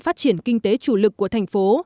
phát triển kinh tế chủ lực của thành phố